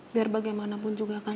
biar bagaimanapun juga kan